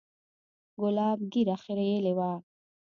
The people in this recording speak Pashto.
ګلاب ږيره خرييلې وه.